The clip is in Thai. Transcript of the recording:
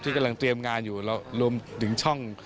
กำลังเตรียมงานอยู่รวมถึงช่อง